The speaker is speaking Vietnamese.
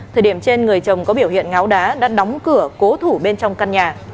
thời điểm trên người chồng có biểu hiện ngáo đá đã đóng cửa cố thủ bên trong căn nhà